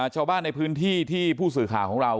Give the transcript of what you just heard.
ชาวบ้านในพื้นที่ที่ผู้สื่อข่าวของเรา